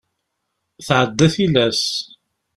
Tɛedda tilas.